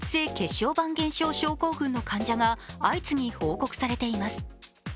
小板減少症候群の患者が相次ぎ報告されています。